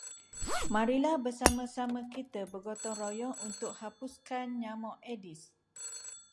Marilah bersama-sama kita bergotong royong untuk hapuskan nyamuk aedes.